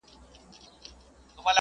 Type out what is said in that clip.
پيغمبر عليه السلام عادل انسان و.